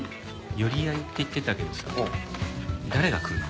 寄り合いって言ってたけどさ誰が来るの？